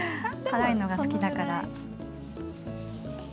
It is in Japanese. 辛いのが好きだから。